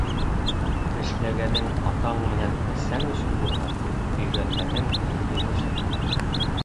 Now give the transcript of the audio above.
Эшләгәнең атаң менән әсәң өсөн булһа, өйрәнгәнең үҙең өсөн.